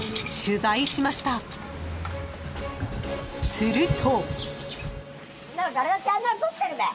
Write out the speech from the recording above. ［すると］